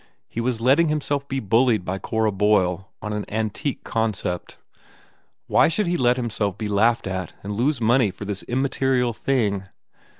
He was letting himself be bullied by Cora Boyle on an antique concept. Why should he let himself be laughed at and lose money for this immaterial thing?